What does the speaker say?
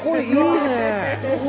いいね！